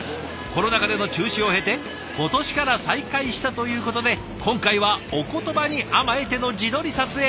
コロナ禍での中止を経て今年から再開したということで今回はお言葉に甘えての自撮り撮影。